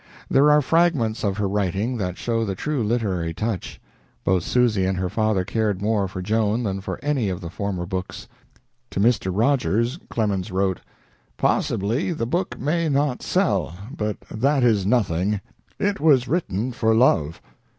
There are fragments of her writing that show the true literary touch. Both Susy and her father cared more for Joan than for any of the former books. To Mr. Rogers Clemens wrote, "Possibly the book may not sell, but that is nothing it was mitten for love."